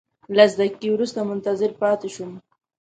لس دقیقې ورته منتظر پاتې شوم.